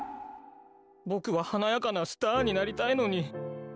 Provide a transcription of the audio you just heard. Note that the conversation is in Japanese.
ぼくは華やかなスターになりたいのに。